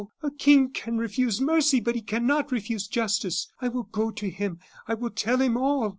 A king can refuse mercy, but he cannot refuse justice. I will go to him. I will tell him all!